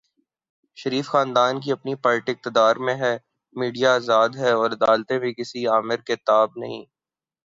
شریف خاندان کی اپنی پارٹی اقتدار میں ہے، میڈیا آزاد ہے اور عدالتیں بھی کسی آمر کے تابع نہیں۔